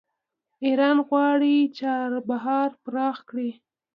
ایران غواړي چابهار پراخ کړي.